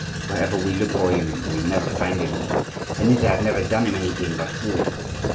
Wherever we look for him we never find him! And yet I have never done him anything but good!